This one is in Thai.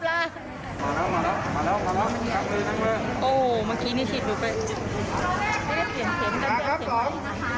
เปลี่ยนเข็มกันกัน